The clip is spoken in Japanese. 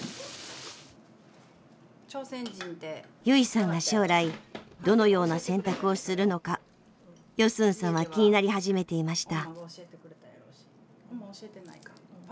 ユイさんは将来どのような選択をするのかヨスンさんは気になり始めていました。